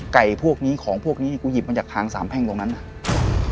พวกนี้ของพวกนี้กูหยิบมาจากทางสามแพ่งตรงนั้นน่ะ